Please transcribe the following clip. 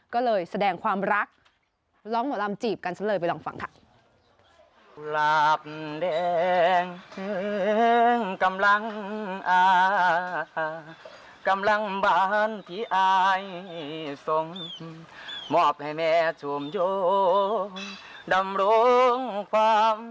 ก็เลยแสดงความรักร้องหมอลำจีบกันซะเลยไปลองฟังค่ะ